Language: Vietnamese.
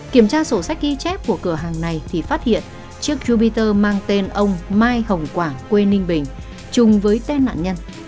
kiểm tra sổ sách ghi chép của cửa hàng này thì phát hiện chiếc jupiter mang tên ông mai hồng quảng quê ninh bình chung với tên nạn nhân